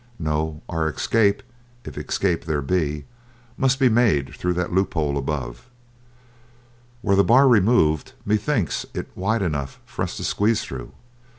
No, our escape, if escape there be, must be made through that loophole above. Were that bar removed, methinks it is wide enough for us to squeeze through.